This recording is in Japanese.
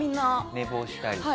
寝坊したりして？